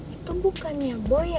itu bukannya boy